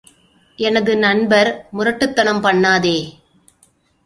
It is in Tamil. எனது நண்பர், முரட்டுத்தனம் பண்ணாதே!